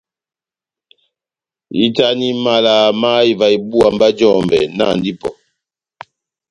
Ehitani mala má ivaha ibúwa mba jɔmbɛ, nahandi ipɔ !